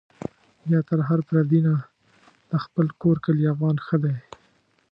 بيا تر هر پردي نه، د خپل کور کلي افغان ښه دی